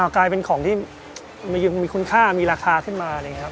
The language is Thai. กลายเป็นของที่มีคุณค่ามีราคาขึ้นมา